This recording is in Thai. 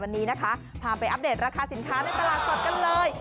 วันนี้นะคะพาไปอัปเดตราคาสินค้าในตลาดสดกันเลย